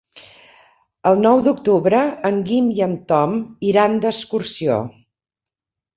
El nou d'octubre en Guim i en Tom iran d'excursió.